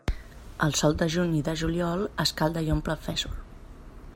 El sol de juny i de juliol escalda i omple el fesol.